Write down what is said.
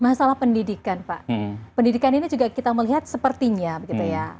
masalah pendidikan pak pendidikan ini juga kita melihat sepertinya begitu ya